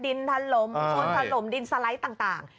ดินทันลมคนทันลมดินสไลด์ต่าง